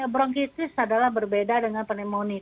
bronkitis adalah berbeda dengan pneumonia